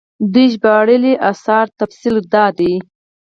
د دوي ژباړلي اثارو تفصيل دا دی